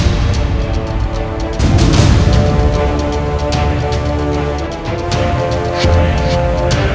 dari seluruh dunia